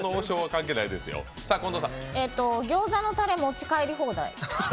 餃子のタレ持ち帰り放題。